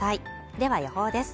では予報です。